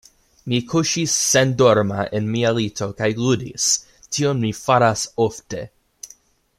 Mi kuŝis sendorma en mia lito kaj ludis; tion mi faras ofte.